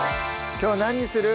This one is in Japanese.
きょう何にする？